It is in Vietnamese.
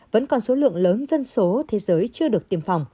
vẫn còn số lượng lớn dân số thế giới chưa được tiêm phòng